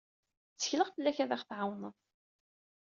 Ttekleɣ fell-ak ad aɣ-tɛawneḍ.